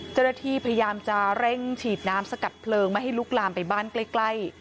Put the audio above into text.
เจ้าหน้าที่พยายามจะเร่งฉีดน้ำสกัดเพลิงไม่ให้ลุกลามไปบ้านใกล้